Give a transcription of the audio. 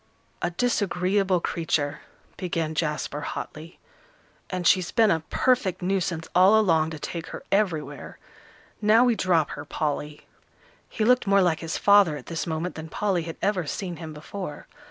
"A disagreeable creature," began Jasper, hotly; "and she's been a perfect nuisance all along to take her everywhere. Now we drop her, Polly." He looked more like his father at this moment than Polly had ever seen him before.